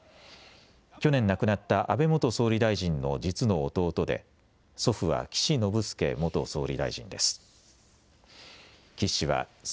去年、亡くなった安倍元総理大臣の実の弟で祖父は岸信介元総理大臣です。